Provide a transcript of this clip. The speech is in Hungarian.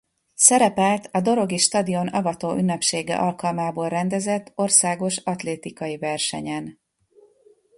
Szerepelt a dorogi stadion avató ünnepsége alkalmából rendezett Országos Atlétikai Versenyen.